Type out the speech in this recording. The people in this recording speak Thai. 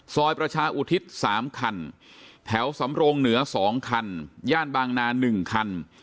ซอยประชาอุทิศ๓คันแถวสำโรงเหนือ๒คันย่านบางนา๑คัน